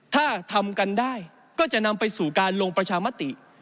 ถ้าทำกันได้ก็จะนำไปสู่การลงประชามติ